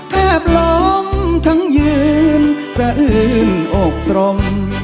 แทบล้มทั้งยืนสะอืนอกตรง